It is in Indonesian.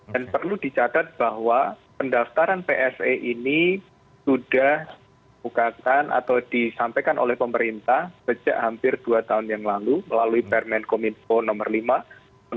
dan perlu dicatat bahwa pendaftaran pse ini sudah bukakan atau disampaikan oleh pemerintah sejak hampir dua tahun yang lalu melalui permen kominfo nomor lima tahun dua ribu dua puluh